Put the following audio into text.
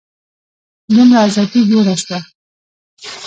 دومره ازادي جوړه شوه.